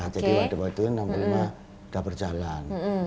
jadi waduk waduk ini enam puluh lima sudah berjalan